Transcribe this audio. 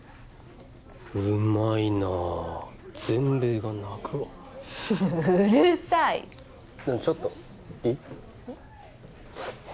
うまいな全米が泣くわうるさいでもちょっといい？